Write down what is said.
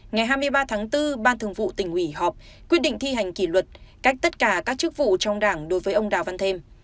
ngày hai mươi ba tháng bốn ban thường vụ tỉnh ủy họp quyết định thi hành kỷ luật cách tất cả các chức vụ trong đảng đối với ông đào văn thêm